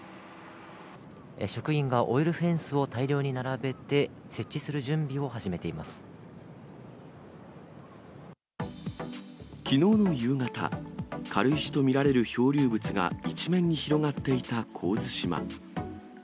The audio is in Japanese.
職員がオイルフェンスを大量に並べて、設置する準備を始めてきのうの夕方、軽石と見られる漂流物が一面に広がっていた神津島。